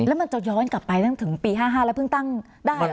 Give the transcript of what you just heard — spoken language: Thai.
แล้วมันจะย้อนกลับไปตั้งแต่ถึงปี๕๕แล้วเพิ่งตั้งได้เหรอ